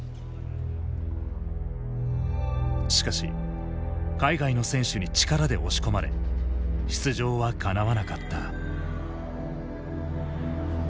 しかし海外の選手に力で押し込まれ出場はかなわなかった。